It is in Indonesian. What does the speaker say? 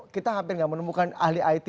kita hampir tidak menemukan ahli it